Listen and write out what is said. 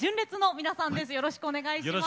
よろしくお願いします。